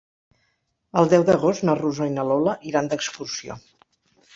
El deu d'agost na Rosó i na Lola iran d'excursió.